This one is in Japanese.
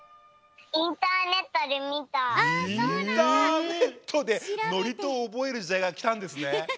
インターネットでのりとをおぼえるじだいがきたんですね。